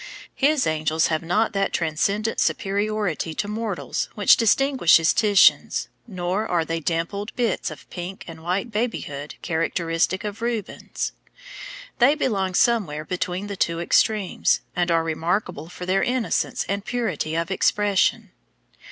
His angels have not that transcendent superiority to mortals which distinguishes Titian's, nor are they the dimpled bits of pink and white babyhood characteristic of Rubens. They belong somewhere between the two extremes, and are remarkable for their innocence and purity of expression.